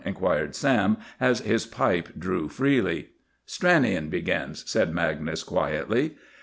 inquired Sam, as his pipe drew freely. "Stranion begins," said Magnus quietly.